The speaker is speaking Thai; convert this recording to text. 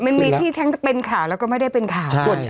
มันมีที่ทั้งเป็นข่าวแล้วก็ไม่ได้เป็นข่าว